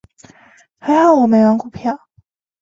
还好我没玩股票。